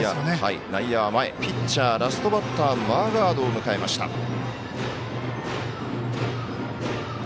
ピッチャー、ラストバッターマーガードを迎えました。